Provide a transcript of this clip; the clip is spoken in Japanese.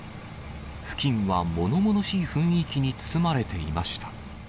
付近はものものしい雰囲気に包まれていました。